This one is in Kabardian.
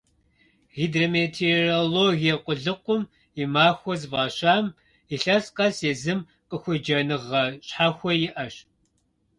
«Гидрометеорологие къулыкъум и махуэ» зыфӀащам илъэс къэс езым и къыхуеджэныгъэ щхьэхуэ иӀэщ.